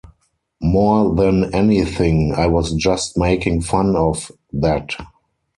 More than anything, I was just making fun of that.